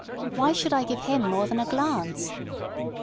Why should I give him more than a glance?